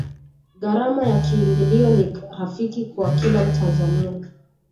gharama ya kiingilio ni rafiki kwa kila mtanzania